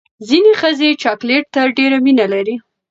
ځینې ښځې چاکلیټ ته ډېره مینه لري.